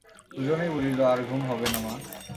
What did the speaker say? দুইজনেই বলিল, আর ঘুম হবে না মা।